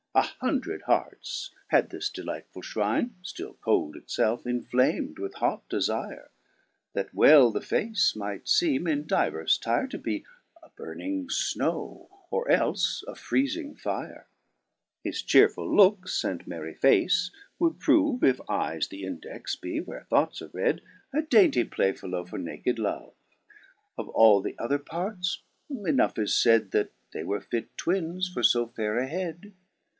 A hundred hearts had this delightfull ftirine, (Still cold it felfe) inflam'd with hot defire. That well the face might feem, in divers tire. To be a burning fnow, or elfe a freezing fire. Digitized by Google BRITTAIN'S IDA. 275 5 His cheerfull lookes and merry face would proove (If eyes the index be where thoughts are read) A dainty play fellow for naked Love : Of all the other parts enough is fed. That they were fit twins for fo fayre a head.